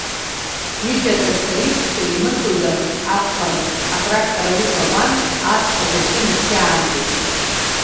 Ҩыџьа атрактористцәа еимырдозар акәхарын, атрактор аус ауан аҵх агәахьы инаскьаанӡагьы.